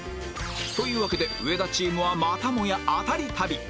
というわけで上田チームはまたもやアタリ旅